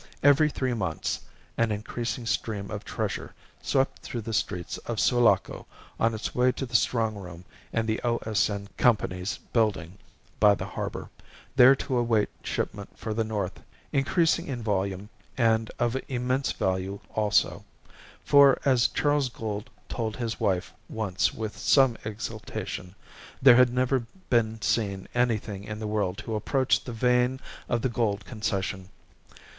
Every three months an increasing stream of treasure swept through the streets of Sulaco on its way to the strong room in the O.S.N. Co.'s building by the harbour, there to await shipment for the North. Increasing in volume, and of immense value also; for, as Charles Gould told his wife once with some exultation, there had never been seen anything in the world to approach the vein of the Gould Concession.